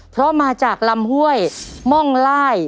เพราะมาจากลำห้วยม่องไล่